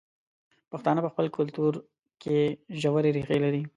پښتانه په خپل کلتور کې ژورې ریښې لري.